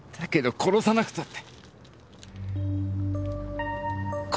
殺さなくたって。